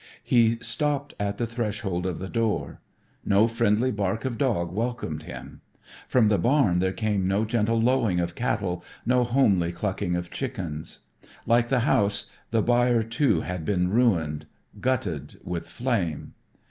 He stopped at the threshold of the door. No friendly bark of dog welcomed him. From the barn there came no gentle lowing of cattle, no homely clucking of chickens. Like the house the byre too had been ruined, gutted with flame.